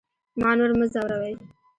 ما نور مه ځوروئ